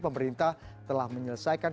pemerintah telah menyelesaikan